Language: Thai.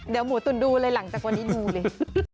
เดี๋ยวหมูตุ๋นดูเลยหลังจากวันนี้ดูเลย